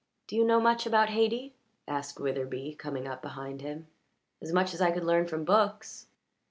"Do you know much about Hayti?" asked Witherbee, coming up behind him. "As much as I could learn from books."